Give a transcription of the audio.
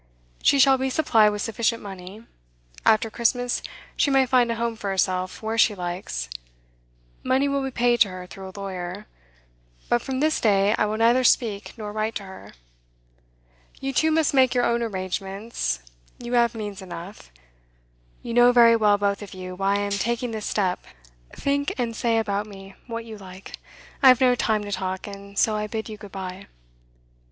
She shall be supplied with sufficient money. After Christmas she may find a home for herself where she likes; money will be paid to her through a lawyer, but from this day I will neither speak nor write to her. You two must make your own arrangements; you have means enough. You know very well, both of you, why I am taking this step; think and say about me what you like. I have no time to talk, and so I bid you good bye.